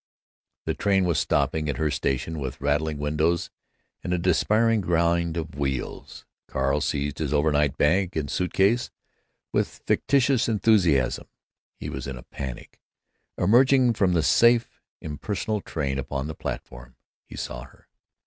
The train was stopping at her station with rattling windows and a despairing grind of the wheels. Carl seized his overnight bag and suit case with fictitious enthusiasm. He was in a panic. Emerging from the safe, impersonal train upon the platform, he saw her.